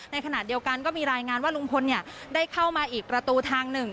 ในขณะเดียวกันก็มีรายงานว่าลุงพลได้เข้ามาอีกประตูทางหนึ่ง